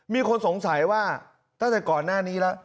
มีคนสงสัยว่าตั้งแต่ก่อนหน้านี้แล้ว